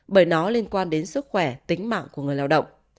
bởi nó liên quan đến sức khỏe tính mạng của người lao động